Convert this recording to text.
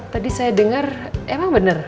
tadi saya dengar emang bener